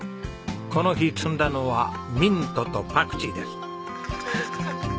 この日摘んだのはミントとパクチーです。